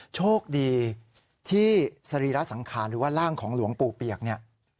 โชคดีที่สรีระสังขารหรือว่าร่างของหลวงปู่เปียกเนี่ย